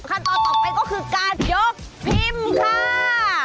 ขั้นตอนต่อไปก็คือการยกพิมพ์ค่ะ